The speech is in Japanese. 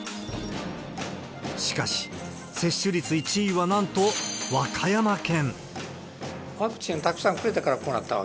しかし、接種率１位はなんと和歌山県。